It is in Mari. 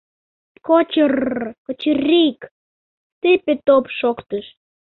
Кочыр-р, кочыр-рик, тыпе-топ шоктыш.